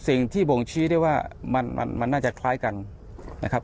สิ่งที่บ่งชี้ได้ว่ามันน่าจะคล้ายกันนะครับ